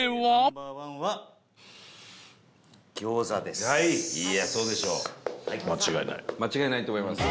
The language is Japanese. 伊達：間違いないと思います。